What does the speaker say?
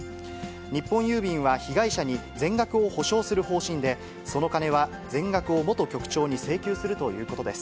日本郵便は被害者に全額を補償する方針で、その金は全額を元局長に請求するということです。